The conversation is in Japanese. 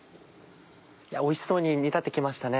おいしそうに煮立って来ましたね。